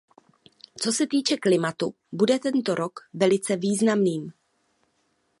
Co se týče klimatu, bude tento rok velice významným.